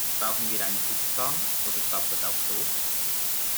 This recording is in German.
Brauchen wir einen Putzplan, oder klappt das auch so?